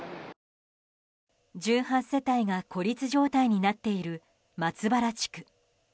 １８世帯が孤立状態になっている松原地区。